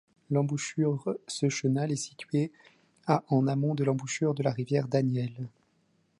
L'embouchure ce chenal est situé à en amont de l'embouchure de la rivière Daniel.